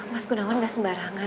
mas kunawan gak sembarangan